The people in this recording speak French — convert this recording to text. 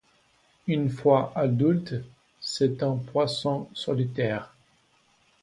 Une fois adulte, c'est un poisson solitaire.